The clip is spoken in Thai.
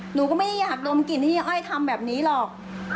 หนูก็ไม่ได้อยากดมกลิ่นที่อ้อยทำแบบนี้หรอก